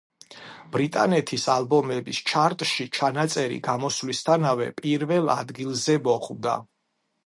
ბრიტანეთის ალბომების ჩარტში ჩანაწერი გამოსვლისთანავე პირველ ადგილზე მოხვდა.